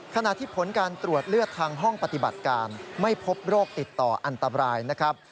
ขณะที่ผลการตรวจเลือดทางห้องปฏิบัติการไม่พบโรคติดต่ออันตรายนะครับ